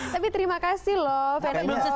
tapi terima kasih loh